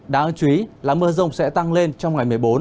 đáng chú ý là mưa rông sẽ tăng lên trong ngày một mươi bốn